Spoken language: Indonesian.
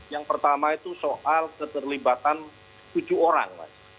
yang pertama itu soal keterlibatan tujuh orang